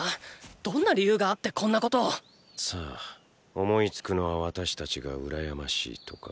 どんな理由があってこんなことを⁉さぁ思いつくのは私たちが羨ましいとか。